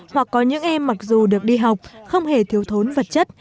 hoặc có những em mặc dù được đi học không hề thiếu thốn vật chất